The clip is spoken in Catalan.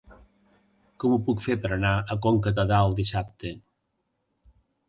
Com ho puc fer per anar a Conca de Dalt dissabte?